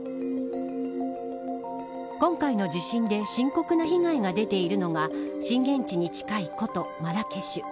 今回の地震で深刻な被害が出ているのが震源地に近い古都マラケシュ。